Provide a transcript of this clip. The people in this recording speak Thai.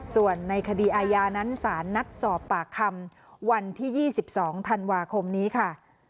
ส่วนในคดีอาญานั้นศาลนัดสอบปากคำวันที่๒๒ธันวาคมนี้ค่ะ